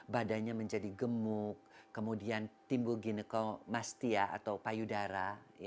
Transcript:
badannya menjadi gemuk kemudian timbul ginekomastia atau payudara